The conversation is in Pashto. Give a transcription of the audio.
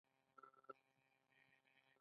د کونړ په ماڼوګي کې د قیمتي ډبرو نښې دي.